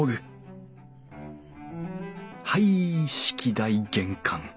はい式台玄関。